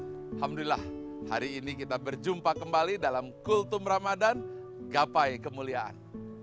alhamdulillah hari ini kita berjumpa kembali dalam kultum ramadhan gapai kemuliaan